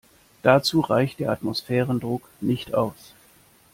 Dazu reicht der Atmosphärendruck nicht aus.